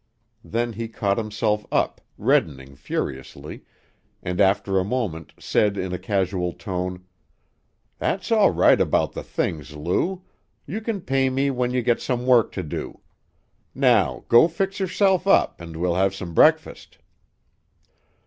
Then he caught himself up, reddening furiously, and after a moment said in a casual tone: "That's all right about the things, Lou; you can pay me when you get some work to do. Now, go fix yourself up, and we'll have breakfast."